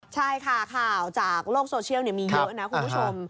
ใช่ค่ะข่าวจากโลกโซเชียลมีเยอะนะคุณผู้ชม